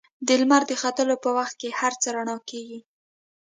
د لمر د ختلو په وخت کې هر څه رڼا کېږي.